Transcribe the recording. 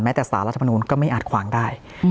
แต่สารรัฐมนูลก็ไม่อาจขวางได้